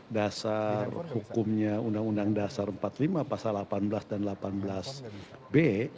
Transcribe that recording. dasar hukumnya undang undang dasar empat puluh lima pasal delapan belas dan delapan belas b